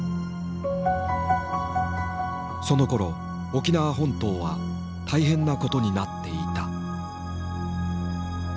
そのころ沖縄本島は大変なことになっていた。